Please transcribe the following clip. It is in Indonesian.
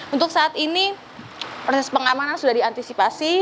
untuk saat ini proses pengamanan sudah diantisipasi